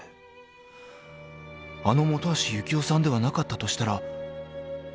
［あの本橋幸雄さんではなかったとしたらまさか！？］